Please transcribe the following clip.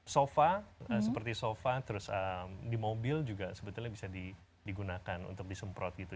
sofa seperti sofa terus di mobil juga sebetulnya bisa digunakan untuk disemprot gitu